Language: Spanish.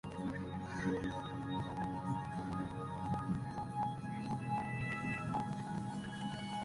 Lituania en ese momento se extendía desde el Báltico hasta el mar Negro.